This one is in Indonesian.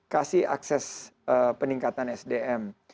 kasih akses peningkatan sdm